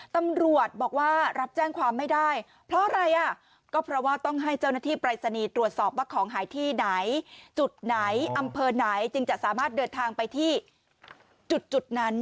ตำรวจบอกว่ารับแจ้งความไม่ได้เพราะอะไรอ่ะก็เพราะว่าต้องให้เจ้าหน้าที่ปรายศนีย์ตรวจสอบว่าของหายที่ไหนจุดไหนอำเภอไหนจึงจะสามารถเดินทางไปที่จุดนั้น